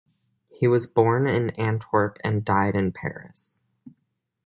He was born in Antwerp and died in Paris.